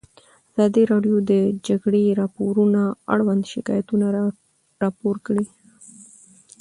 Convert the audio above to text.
ازادي راډیو د د جګړې راپورونه اړوند شکایتونه راپور کړي.